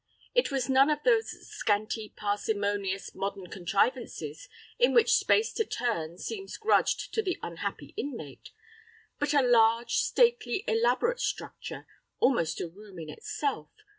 It was none of those scanty, parsimonious, modern contrivances, in which space to turn seems grudged to the unhappy inmate, but a large, stately, elaborate structure, almost a room in itself.